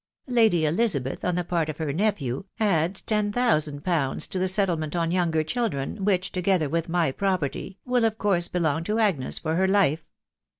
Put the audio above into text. Lady Elizabeth, on the part of her nephew, adds ten thousand pounds to the settlement on younger children, which, together with my property, will ot course belong to Agnes for her life.